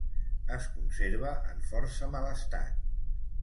Es conserva en força mal estat.